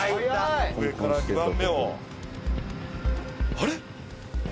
「あれ？」